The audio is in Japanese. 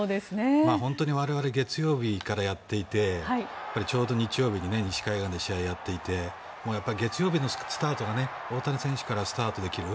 我々、月曜日からやっていてちょうど日曜日に西海岸で試合やっていて月曜日のスタートが大谷選手からスタートできる。